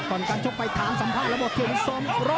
ก่อนการชมไปถามสัมภาษณ์ระบบถึงสม๑๐๐